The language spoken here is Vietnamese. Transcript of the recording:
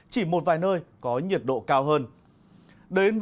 chỉ một vài nơi có nhiệt độ cao hơn